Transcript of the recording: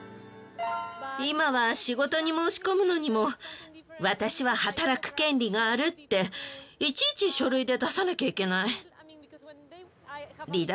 今は仕事に申し込むのにも私は働く権利があるっていちいち書類で出さなきゃいけない。